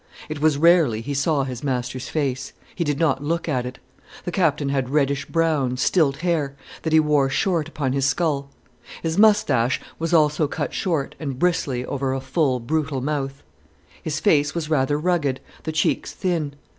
It was rarely he saw his master's face: he did not look at it. The Captain had reddish brown, stilt hair, that he wore short upon his skull. His moustache was also cut short and bristly over a full, brutal mouth. His face was rather rugged, the cheeks thin.